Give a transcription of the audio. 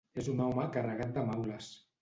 És un home carregat de maules.